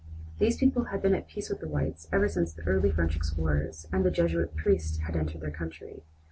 These people had been at peace with the whites ever since the early French explorers and the Jesuit priests had entered their country.